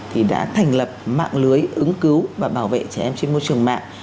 thì đã thành lập mạng lưới ứng cứu và bảo vệ trẻ em trên môi trường mạng